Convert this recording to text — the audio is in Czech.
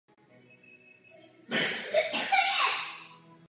Oba kytaristé používají kytary Gibson Les Paul.